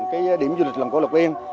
cái điểm du lịch làng cổ lộc yên